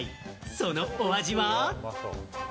そのお味は？